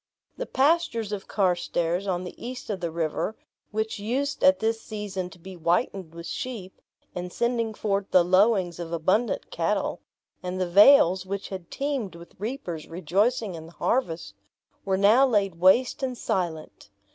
The pastures of Carstairs on the east of the river, which used at this season to be whitened with sheep, and sending forth the lowings of abundant cattle; and the vales, which had teemed with reapers rejoicing in the harvest, were now laid waste and silent.